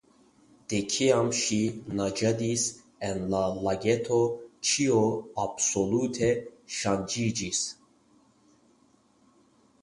De kiam ŝi naĝadis en la lageto, ĉio absolute ŝanĝiĝis.